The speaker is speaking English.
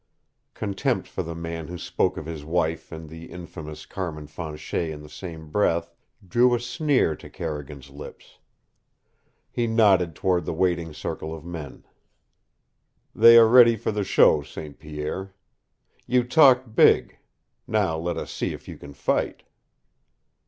Contempt for the man who spoke of his wife and the infamous Carmin Fanchet in the same breath drew a sneer to Carrigan's lips. He nodded toward the waiting circle of men. "They are ready for the show, St. Pierre. You talk big. Now let us see if you can fight."